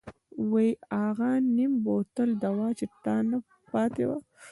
وۍ اغه نيم بوتل دوا چې تانه پاتې وه.